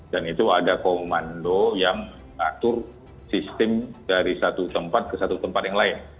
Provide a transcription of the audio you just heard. dan itu ada komando yang atur sistem dari satu tempat ke satu tempat yang lain